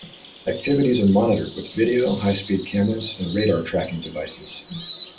Activities are monitored with video, high-speed cameras, and radar tracking devices.